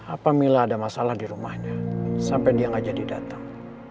apa mila ada masalah di rumahnya sampai dia gak jadi dateng